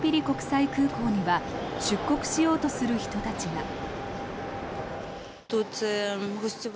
国際空港には出国しようとする人たちが。